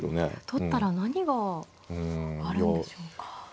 取ったら何があるんでしょうか。